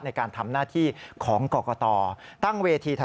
ในการทำหน้าที่ของ